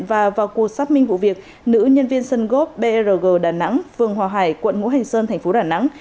và vào cuộc xác minh vụ việc nữ nhân viên sân góp brg đà nẵng phường hòa hải quận ngũ hành sơn tp đà nẵng